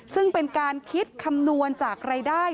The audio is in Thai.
ซึ่งเป็นการคิดคำนวณจากรายได้